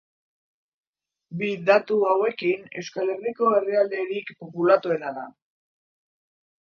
Bi datu hauekin Euskal Herriko herrialderik populatuena da.